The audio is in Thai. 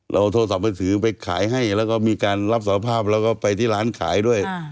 เอาโทรศัพท์มือถือไปขายให้แล้วก็มีการรับสารภาพแล้วก็ไปที่ร้านขายด้วย